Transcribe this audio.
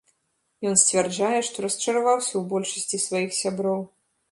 Ён сцвярджае, што расчараваўся ў большасці сваіх сяброў.